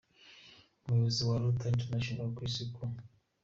Umuyobozi wa Rotary International ku Isi, K.